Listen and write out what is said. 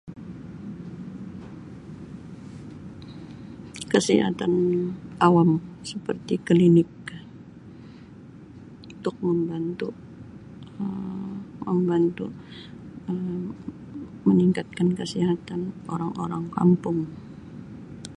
Um kesihatan awan seperti klinik untuk membantu Um membantu Um meningkatkan kesihatan orang-orang kampung.